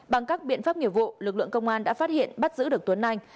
bằng các biện pháp nghiệp vụ lực lượng công an đã phát hiện bắt giữ được tuấn anh